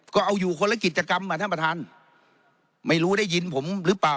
ก็เอาอยู่คนละกิจกรรมอ่ะท่านประธานไม่รู้ได้ยินผมหรือเปล่า